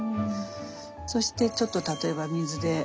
そしてちょっと例えば水で。